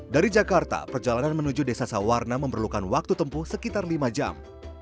dari jakarta perjalanan menuju desa sawarna memerlukan waktu tempuh sekitar lima jam